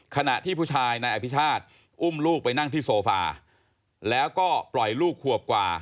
ขณะที่ผู้ชายนายอภิชาติอุ้มลูกไปนั่งที่โซฟาแล้วก็ปล่อยลูกขวบกว่า